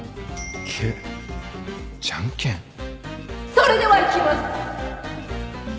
それではいきます！